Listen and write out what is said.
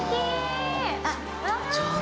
あっ！